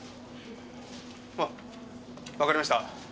あっわかりました。